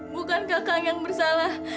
bukan kakak yang bersalah